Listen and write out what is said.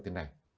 như thế này